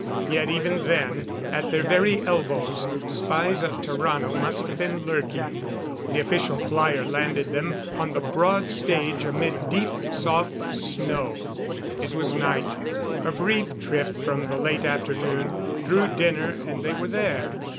Yet, even then, at their very elbows, spies of Tarrano must have been lurking. The official flyer landed them on the broad stage amid deep, soft snow. It was night a brief trip from the late afternoon, through dinner and they were there.